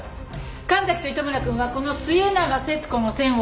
神崎と糸村くんはこの末永節子の線を。